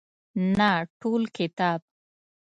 نه ټول کتاب.